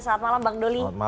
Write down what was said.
selamat malam bang doli